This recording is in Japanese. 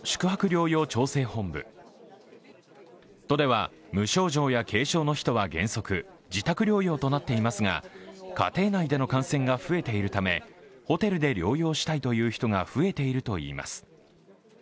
都では無症状や軽症の人は原則自宅療養となっていますが家庭内での感染が増えているためホテルで療養したいという人が増えているといいます。